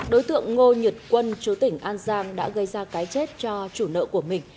đối tượng ngô nhật quân chú tỉnh an giang đã gây ra cái chết cho chủ nợ của mình